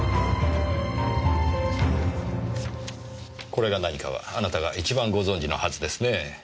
これが何かはあなたが一番ご存じのはずですねぇ。